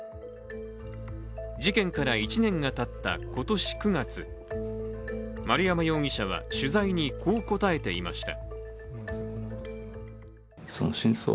事件から１年がたった今年９月、丸山容疑者は取材にこう答えていました。